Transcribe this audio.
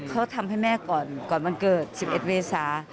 เขาทำให้แม่ก่อนวันเกิด๑๑เมษา